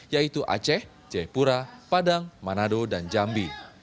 yaitu aceh jayapura padang manado dan jambi